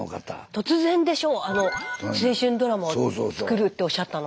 突然でしょうあの青春ドラマを作るっておっしゃったの。